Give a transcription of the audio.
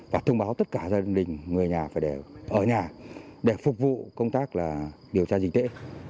và thông báo tất cả gia đình người nhà phải để ở nhà để phục vụ công tác điều tra dịch tễ